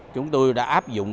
chúng tôi đã áp dụng